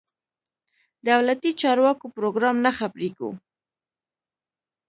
دولتي چارواکو پروګرام نه خبرېږو.